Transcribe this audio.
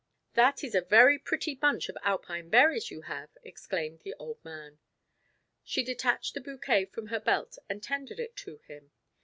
"That is a very pretty bunch of Alpine berries you have,'" exclaimed the old man. She detached the bouquet from her belt and tendered it to him.